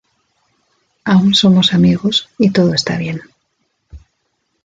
Aun somos amigos y todo esta bien.